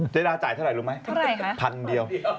เจ๊ดาจ่ายเท่าไหร่รู้ไหมถันเดียว